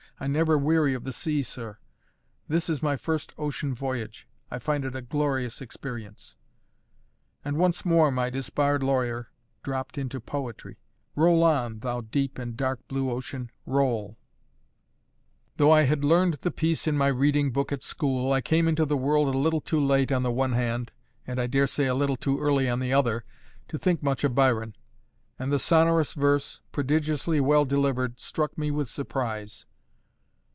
"I never weary of the sea, sir. This is my first ocean voyage. I find it a glorious experience." And once more my disbarred lawyer dropped into poetry: "Roll on, thou deep and dark blue ocean, roll!" Though I had learned the piece in my reading book at school, I came into the world a little too late on the one hand and I daresay a little too early on the other to think much of Byron; and the sonorous verse, prodigiously well delivered, struck me with surprise.